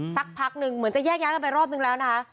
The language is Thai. สักพักหนึ่งเหมือนจะแยกย้ายกันไปรอบนึงแล้วนะคะ